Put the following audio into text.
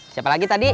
siapa lagi tadi